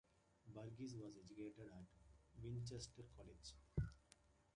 Burges was educated at Winchester College.